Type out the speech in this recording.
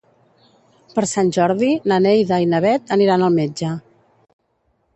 Per Sant Jordi na Neida i na Bet aniran al metge.